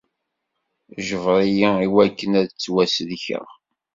Jbeṛ-iyi iwakken ad ttwasellkeɣ.